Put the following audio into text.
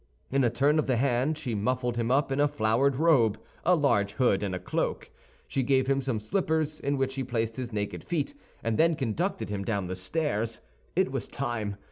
In a turn of the hand she muffled him up in a flowered robe, a large hood, and a cloak. She gave him some slippers, in which he placed his naked feet, and then conducted him down the stairs. It was time.